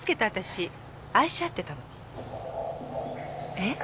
えっ！？